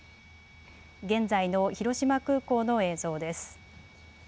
現在の広島空港の映像です。